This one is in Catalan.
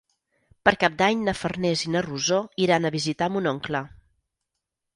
Per Cap d'Any na Farners i na Rosó iran a visitar mon oncle.